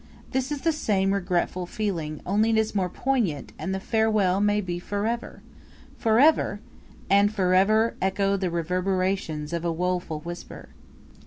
This is the same regretful feeling, only it is more poignant, and the farewell may be forever! FOREVER? And "FOR EVER," echo the reverberations of a woful whisper.